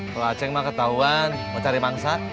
kalau aceh mah ketahuan mau cari mangsa